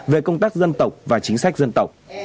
về công tác dân tộc và chính sách dân tộc